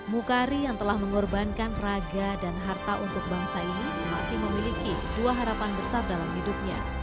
mukari yang telah mengorbankan raga dan harta untuk bangsa ini masih memiliki dua harapan besar dalam hidupnya